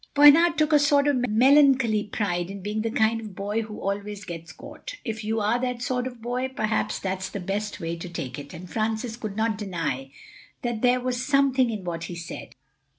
Bernard took a sort of melancholy pride in being the kind of boy who always gets caught. If you are that sort of boy, perhaps that's the best way to take it. And Francis could not deny that there was something in what he said.